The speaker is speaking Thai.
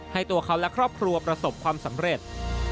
ตัวเขาและครอบครัวประสบความสำเร็จ